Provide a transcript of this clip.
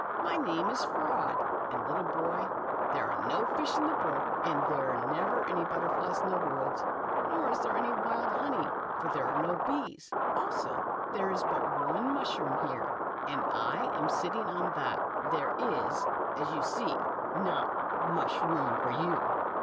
My name is — 'fraud.' And, little boy, there T^S The Toad. are no fish in that brook ; and there are never any butterflies in these woods, nor is there any wild honey, for there are no bees. Also, there is but o/ie mushroom here, and as I am sitting on that, there is, as you see, not ' mush room ' for you.